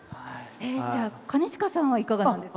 じゃあ、兼近さんはいかがなんですか？